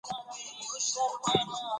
مـوږ او تاسـو کـولی شـو